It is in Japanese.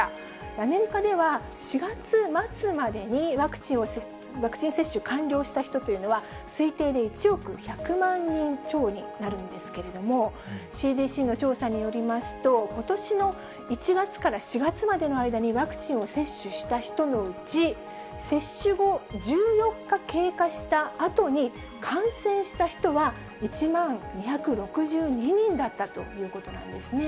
アメリカでは、４月末までにワクチン接種完了した人というのは、推定で１億１００万人超になるんですけれども、ＣＤＣの調査によりますと、ことしの１月から４月までの間にワクチンを接種した人のうち、接種後１４日経過したあとに感染した人は、１万２６２人だったということなんですね。